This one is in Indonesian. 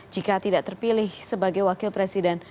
jika tidak terpilih sebagai wakil presiden